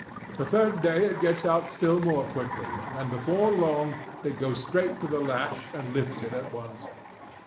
The third day it gets out still more quickly, and before long it goes straight to the latch and lifts it at once.